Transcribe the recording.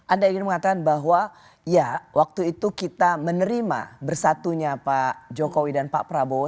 anda ingin mengatakan bahwa ya waktu itu kita menerima bersatunya pak jokowi dan pak prabowo